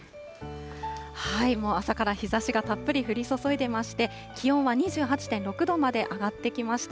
もう朝から日ざしがたっぷり降り注いでまして、気温は２８．６度まで上がってきました。